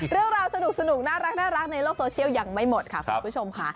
เรื่องราวสนุกน่ารักในโลกโซเชียลยังไม่หมดค่ะคุณผู้ชมค่ะ